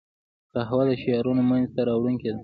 قهوه د شعرونو منځ ته راوړونکې ده